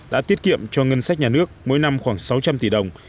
đã tiết kiệm cho ngân sách nhà nước mỗi năm khoảng sáu trăm linh tỷ đồng